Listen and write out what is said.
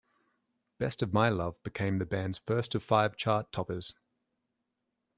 "Best of My Love" became the band's first of five chart toppers.